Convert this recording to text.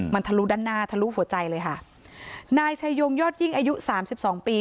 มันทะลุด้านหน้าทะลุหัวใจเลยค่ะนายชายงยอดยิ่งอายุสามสิบสองปี